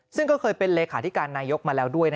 ซึ่งก็เคยเป็นเลขาธิการนายกมาแล้วด้วย